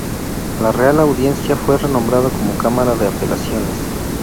La Real Audiencia fue renombrada como Cámara de Apelaciones.